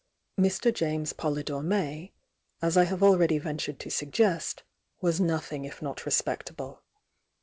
A&. James Potydore May, aa I have already ven tured to suggest, was nothing if uot respectable.